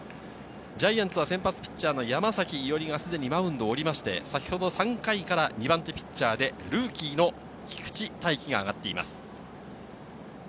ジャイアンツは先発ピッチャーの山崎伊織がすでにマウンドを降りて、３回から２番手ピッチャーでルーキーの菊地大稀が上がっています。